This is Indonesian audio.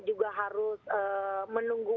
juga harus menunggu